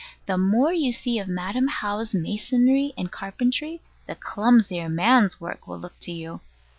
The more you see of Madam How's masonry and carpentry, the clumsier man's work will look to you.